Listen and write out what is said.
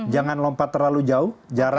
jangan lompat terlalu jauh